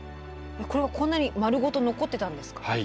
これはこんなに丸ごと残ってたんですか？